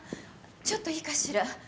ちょっといいかしら？